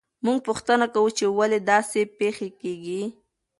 موږ پوښتنه کوو چې ولې داسې پېښې کیږي.